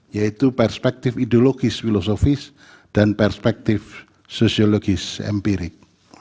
yaitu perspektif ideologis filosofis dan perspektif sosiologis empirik